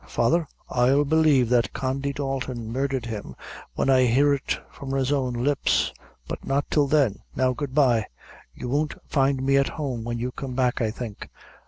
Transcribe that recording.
Father, I'll believe that Condy Dalton murdhered him, when I hear it from his own lips, but not till then. Now, Good bye. You won't find me at home when you come back, I think."